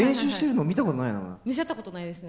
見せた事ないですね。